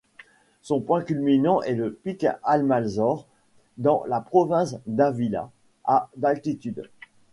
Son point culminant est le pic Almanzor, dans la province d'Ávila, à d'altitude.